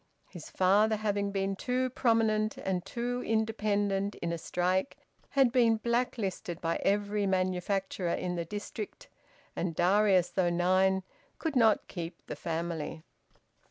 His father, having been too prominent and too independent in a strike, had been black listed by every manufacturer in the district; and Darius, though nine, could not keep the family.